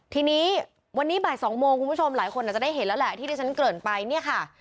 ทีนี้วันนี้บ่าย๒โมงคุณผู้ชมหลายคนอาจจะได้เห็นแล้วแหละที่ที่ฉันเกริ่นไปเนี่ยค่ะ